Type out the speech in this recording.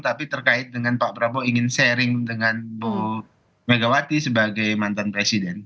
tapi terkait dengan pak prabowo ingin sharing dengan bu megawati sebagai mantan presiden